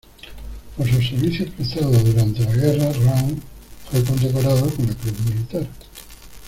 Por sus servicios prestados durante la guerra, Round fue condecorado con la Cruz Militar.